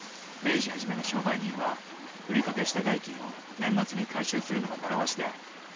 明治初めの商売人は売り掛けした代金を年末に回収するのが習わしである。